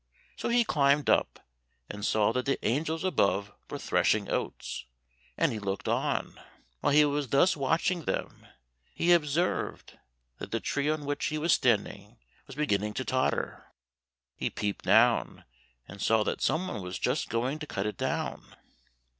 So he climbed up, and saw that the angels above were threshing oats, and he looked on. While he was thus watching them, he observed that the tree on which he was standing, was beginning to totter; he peeped down, and saw that someone was just going to cut it down.